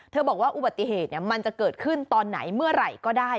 บอกว่าอุบัติเหตุมันจะเกิดขึ้นตอนไหนเมื่อไหร่ก็ได้